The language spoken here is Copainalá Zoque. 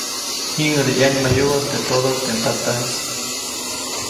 Jiŋʼäde ʼyaŋmayubä teʼ todo teʼ ndataʼis.